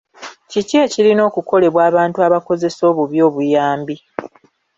Kiki ekirina okukolebwa abantu abakozesa obubi obuyambi?